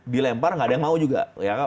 dilempar nggak ada yang mau juga